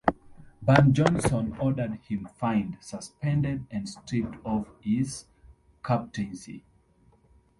Ban Johnson ordered him fined, suspended, and stripped of his captaincy.